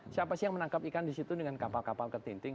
siapa sih yang menangkap ikan di situ dengan kapal kapal ketinting